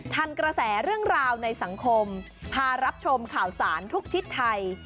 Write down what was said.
ทันกระแสเรื่องราวในสังคมพารับชมข่าวสารทุกทิศไทย